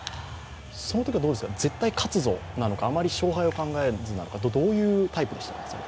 そのときは、絶対勝つぞなのか、あまり勝敗を考えずなのかどういうタイプでした？